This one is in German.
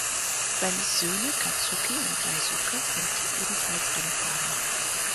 Seine Söhne Kazuki und Daisuke sind ebenfalls Rennfahrer.